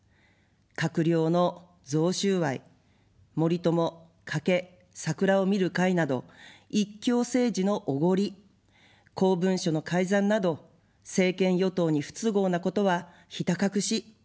閣僚の贈収賄、森友・加計・桜を見る会など一強政治のおごり、公文書の改ざんなど政権与党に不都合なことはひた隠し。